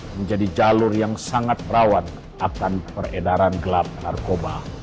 menjadi jalur yang sangat rawan akan peredaran gelap narkoba